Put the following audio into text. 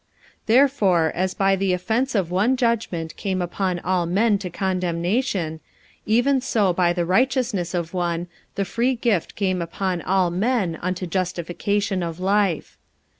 45:005:018 Therefore as by the offence of one judgment came upon all men to condemnation; even so by the righteousness of one the free gift came upon all men unto justification of life.